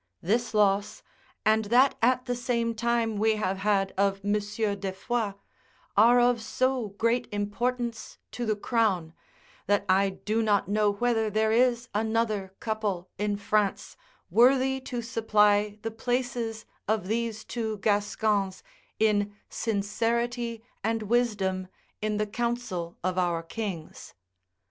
This loss, and that at the same time we have had of Monsieur de Foix, are of so great importance to the crown, that I do not know whether there is another couple in France worthy to supply the places of these two Gascons in sincerity and wisdom in the council of our kings.